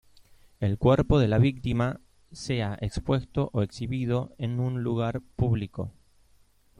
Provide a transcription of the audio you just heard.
El cuerpo de la víctima sea expuesto o exhibido en un lugar público.